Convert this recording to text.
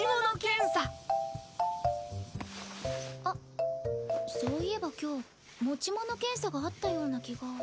あっそういえば今日持ち物検査があったような気が。